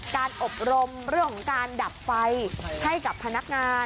การอบรมเรื่องของการดับไฟให้กับพนักงาน